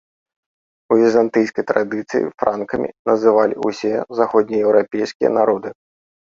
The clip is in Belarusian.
У візантыйскай традыцыі франкамі называлі ўсе заходнееўрапейскія народы.